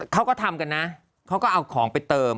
เขาก็ทำกันนะเขาก็เอาของไปเติม